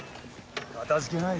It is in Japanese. かたじけない。